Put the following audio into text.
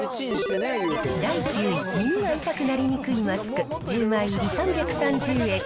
第９位、耳が痛くなりにくいマスク１０枚入り３３０円。